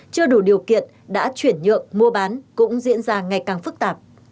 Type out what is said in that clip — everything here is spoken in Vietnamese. chưa đủ điều kiện đã chuyển nhượng mua bán cũng diễn ra ngày càng phức tạp